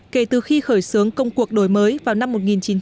kể từ khi khởi xướng công cuộc đổi mới vào năm hai nghìn một mươi chín